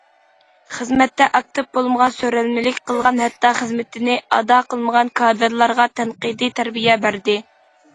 خىزمەتتە ئاكتىپ بولمىغان، سۆرەلمىلىك قىلغان، ھەتتا خىزمىتىنى ئادا قىلمىغان كادىرلارغا تەنقىدىي تەربىيە بەردى.